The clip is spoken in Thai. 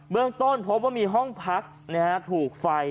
เมืองต้นพบว่ามีห้องพักถูกไฟ